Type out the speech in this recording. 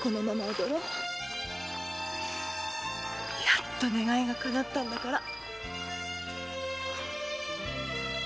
やっと願いが叶ったんだから。